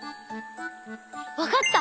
わかった！